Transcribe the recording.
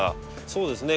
そうですね。